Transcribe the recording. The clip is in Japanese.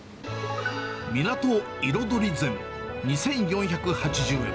港彩り膳２４８０円。